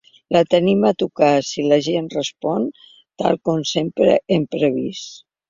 La tenim a tocar si la gent respon, tal com sempre hem previst.